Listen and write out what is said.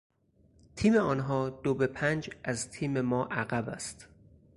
تیم آنها دو به پنج از تیم ما عقب است.